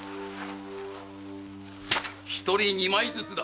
一人二枚ずつだ。